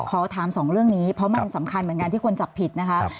ขอถามสองเรื่องนี้เพราะมันสำคัญเหมือนกันที่คนจับผิดนะคะ